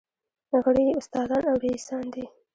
غړي یې استادان او رییسان دي.